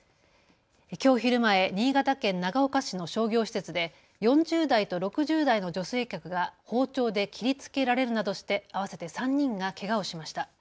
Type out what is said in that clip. きょう昼前、新潟県長岡市の商業施設で４０代と６０代の女性客が包丁で切りつけられるなどして合わせて３人がけがをしました。